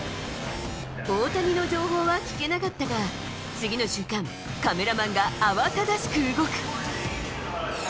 大谷の情報は聞けなかったが、次の瞬間、カメラマンが慌ただしく動く。